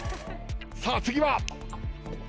さあ次は？